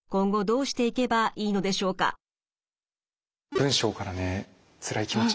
文章からねつらい気持ち